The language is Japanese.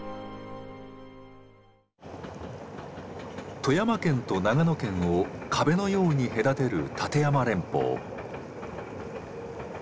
富山県と長野県を壁のように隔てる立山連峰。